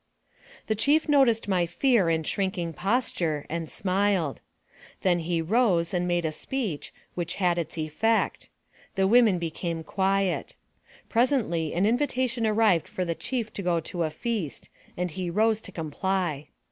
The chief noticed my fear and shrinking posture, and smiled. Then he rose, and made a speech, which had its effect. The women became quiet. Presently an invitation arrived for the chief to go to a feast, and he rose to comply.